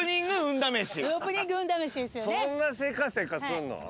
そんなせかせかすんの？